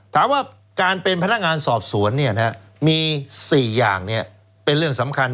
ถามว่าการเป็นพนักงานสอบสวนมี๔อย่างเป็นเรื่องสำคัญ